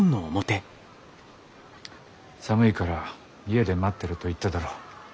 寒いから家で待ってろと言っただろう？